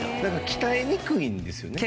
鍛えにくいんですよね？